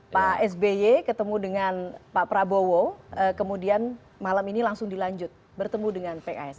pak sby ketemu dengan pak prabowo kemudian malam ini langsung dilanjut bertemu dengan pks